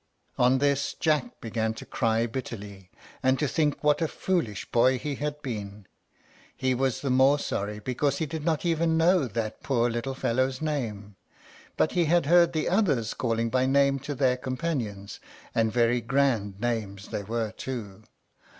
On this Jack began to cry bitterly, and to think what a foolish boy he had been. He was the more sorry because he did not even know that poor little fellow's name. But he had heard the others calling by name to their companions, and very grand names they were too.